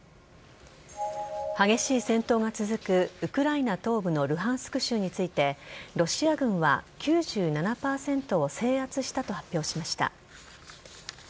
激しい戦闘が続くウクライナ東部のルハンスク州についてロシア軍は９７％を制圧したと発表しました。